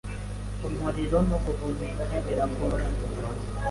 umuriro no guhumeka bigoranye.